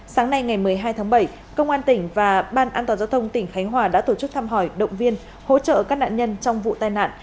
sáng nay ngày một mươi hai tháng bảy công an tỉnh và ban an toàn giao thông tỉnh khánh hòa đã tổ chức thăm hỏi động viên hỗ trợ các nạn nhân trong vụ tai nạn